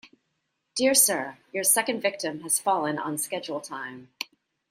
Dear Sir, Your second victim has fallen on schedule time.